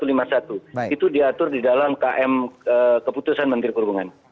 itu diatur di dalam km keputusan menteri perhubungan